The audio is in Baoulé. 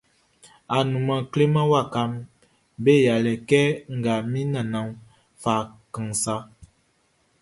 Anumanʼn kleman wakaʼm be yalɛ kɛ nga min nannanʼn fa kanʼn sa.